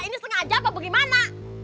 ini sengaja apa bagaimana